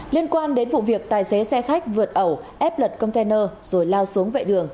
liên quan đến vụ việc tài xế xe khách vượt ẩu ép lật container rồi lao xuống vệ đường